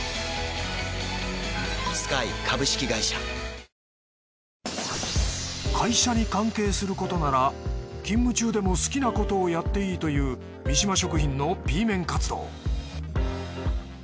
ＪＴ会社に関係することなら勤務中でも好きなことをやっていいという三島食品のＢ面活動。